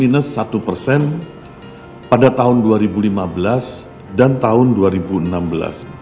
bank indonesia memutuskan untuk tetap mempertahankan suku bunga acuan atau bi rate di level tujuh lima